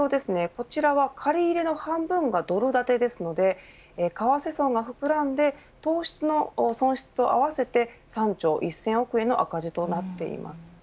こちらは、借り入れの半分がドル建てですので為替損が膨らんで投資の損失と合わせて３兆１０００億円の赤字となっています。